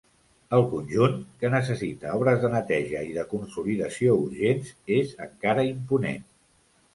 El conjunt, que necessita obres de neteja i de consolidació urgents, és encara imponent.